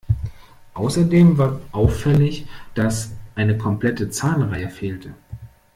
Außerdem war auffällig, dass eine komplette Zahnreihe fehlte.